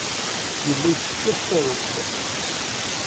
Yella yessefk ad t-tarumt.